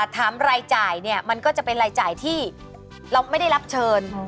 รายจ่ายเนี่ยมันก็จะเป็นรายจ่ายที่เราไม่ได้รับเชิญ